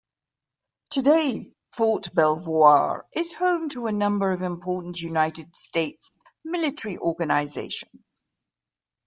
Today, Fort Belvoir is home to a number of important United States military organizations.